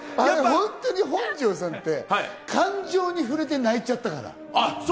本当に本上さんって感情に触れて泣いちゃったから。